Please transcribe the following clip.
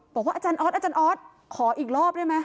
อาจารย์ออสอาจารย์ออสขออีกรอบได้ไหม